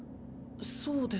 そうですか。